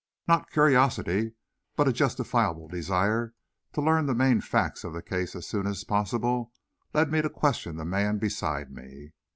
Not curiosity, but a justifiable desire to learn the main facts of the case as soon as possible, led me to question the man beside me.